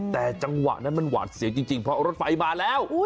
แต่จังหวะนั้นมันหวาดเสียวจริงเพราะรถไฟมาแล้ว